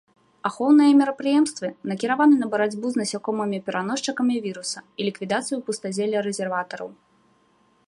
Ахоўныя мерапрыемствы накіраваны на барацьбу з насякомымі-пераносчыкамі віруса і ліквідацыю пустазелля-рэзерватараў.